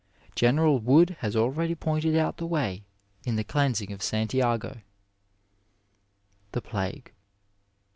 General Wood has already pointed out the way in the cleansing of Santiago. The Plague.